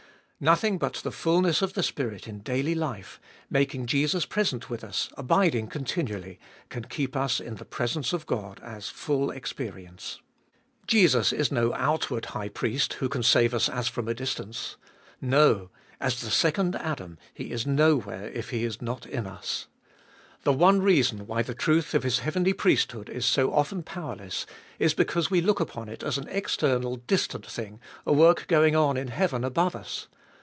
Nothing but the fulness of the Spirit in daily life, making Jesus present within us, abiding continually, can keep us in the presence of God as full experience. Jesus is no outward High Priest, who 368 abe tooliest of ail can save us as from a distance. No, as the Second Adam, He is nowhere if He is not in us. The one reason why the truth of His heavenly priesthood is so often powerless, is because we look upon it as an external distant thing, a work going on in heaven above us.